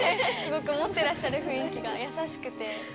持ってらっしゃる雰囲気が優しくて。